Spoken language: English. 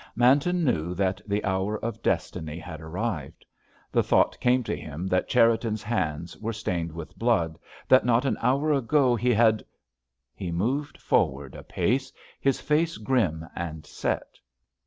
Manton knew that the hour of destiny had arrived. The thought came to him that Cherriton's hands were stained with blood, that not an hour ago he had—— He moved forward a pace, his face grim and set.